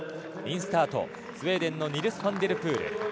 インスタート、スウェーデンのニルス・ファンデルプール。